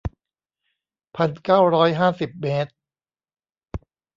พันเก้าร้อยห้าสิบเมตร